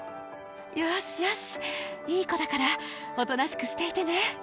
よしよしいい子だからおとなしくしていてね。